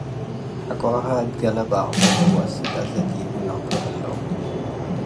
ሐቆሀ እት ገለብ ዐቅበለው ወአስክ አዜ ዲቡ ነብሮ ህለው ።